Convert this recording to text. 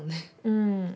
うん。